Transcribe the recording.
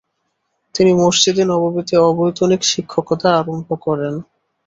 তিনি মসজিদে নববীতে অবৈতনিক শিক্ষকতা আরম্ভ করেন।